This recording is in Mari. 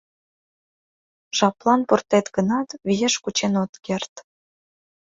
Жаплан пуртет гынат, виеш кучен от керт.